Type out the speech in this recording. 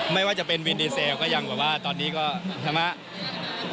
ไม่ว่าจะเป็นวินดีเซลก็ยังแบบว่าตอนนี้ก็ใช่ไหม